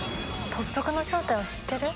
特服の正体を知ってる？」